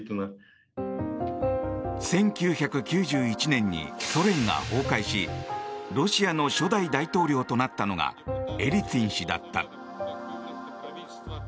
１９９１年にソ連が崩壊しロシアの初代大統領となったのがエリツィン氏だった。